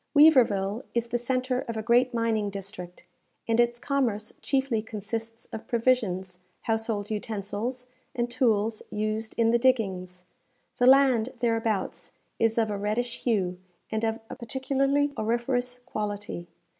Weaverville is the centre of a great mining district, and its commerce chiefly consists of provisions, household utensils, and tools used in the diggings. The land thereabouts is of a reddish hue and of a particularly auriferous quality.